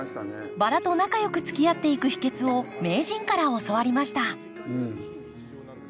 バラと仲よくつきあっていく秘けつを名人から教わりました。